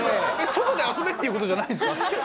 外で遊べっていう事じゃないんですか？